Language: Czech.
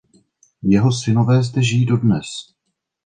Jeho synové zde žijí dodnes.